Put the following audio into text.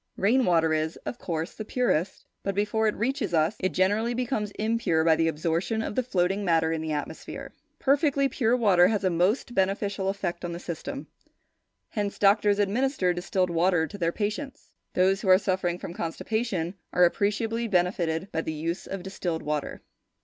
Rain water is, of course, the purest, but, before it reaches us, it generally becomes impure by the absorption of the floating matter in the atmosphere. Perfectly pure water has a most beneficial effect on the system; hence doctors administer distilled water to their patients. Those who are suffering from constipation are appreciably benefitted by the use of distilled water.